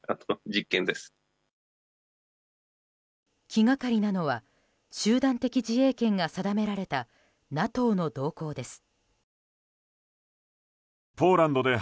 気がかりなのは集団的自衛権が定められたＮＡＴＯの動向です。